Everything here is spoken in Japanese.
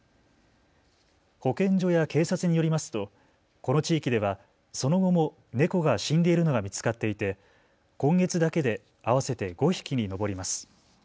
保健所や警察によりますとこの地域ではその後も猫が死んでいるのが見つかっていて今月だけで合わせて５匹に上ります。